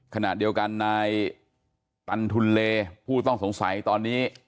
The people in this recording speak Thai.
ขณะเดียวกันนายตันทุนเลผู้ต้องสงสัยตอนนี้